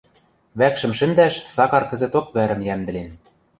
Вӓкшӹм шӹндӓш Сакар кӹзӹток вӓрӹм йӓмдӹлен.